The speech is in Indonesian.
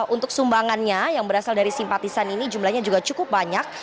untuk sumbangannya yang berasal dari simpatisan ini jumlahnya juga cukup banyak